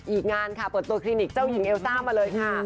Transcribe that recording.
อีกงานค่ะเปิดตัวคลินิกเจ้าหญิงเอลซ่ามาเลยค่ะ